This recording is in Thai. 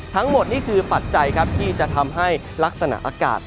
ทั้งหมดนี่คือปัจจัยครับที่จะทำให้ลักษณะอากาศ